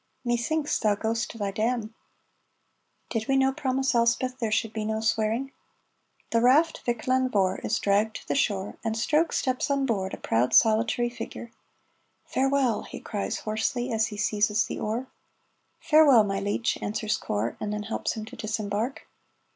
"Methinks thou ghost to thy damn. (Did we no promise Elspeth there should be no swearing?)" The raft Vick Lan Vohr is dragged to the shore, and Stroke steps on board, a proud solitary figure. "Farewell!" he cries hoarsely, as he seizes the oar. "Farewell, my leech," answers Corp, and then helps him to disembark.